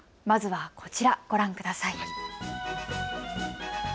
まずはこちら、ご覧ください。